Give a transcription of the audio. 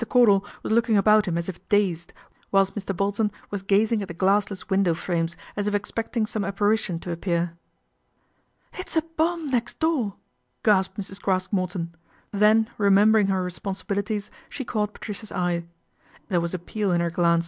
Cordal was looking about him as if dazed, whilst Mr. Bolton was gazing at the glassless window frames, as if expecting some apparition to appear. " It's a bomb next door," gasped Mrs. Craske Morton, then remembering her responsibilities, she caught Patricia's eye. There was appeal in hei glance.